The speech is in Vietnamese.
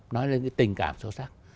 nói đến cái tình cảm sâu sắc